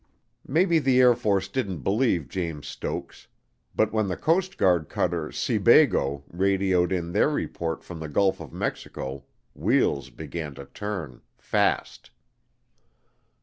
Maybe the Air Force didn't believe James Stokes but when the Coast Guard Cutter Seabago radioed in their report from the Gulf of Mexico wheels began to turn fast.